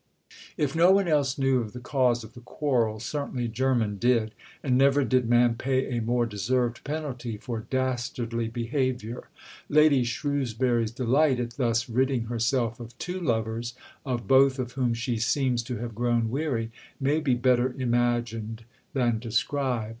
If no one else knew of the cause of the quarrel, certainly Jermyn did; and never did man pay a more deserved penalty for dastardly behaviour. Lady Shrewsbury's delight at thus ridding herself of two lovers, of both of whom she seems to have grown weary, may be better imagined than described.